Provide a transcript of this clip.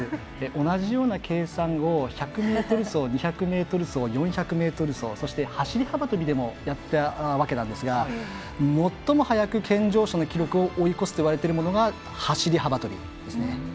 同じような計算を１００ｍ走２００ｍ走、４００ｍ走そして走り幅跳びでもやったわけなんですが最も早く健常者の記録を追い越すといわれているのが走り幅跳びですね。